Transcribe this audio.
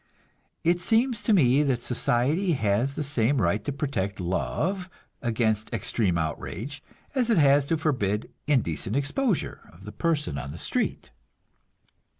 It seems to me that society has the same right to protect love against extreme outrage, as it has to forbid indecent exposure of the person on the street.